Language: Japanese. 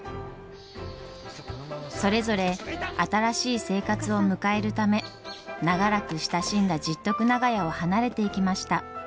それぞれ新しい生活を迎えるため長らく親しんだ十徳長屋を離れていきました。